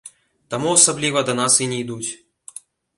Таму асабліва да нас і не ідуць.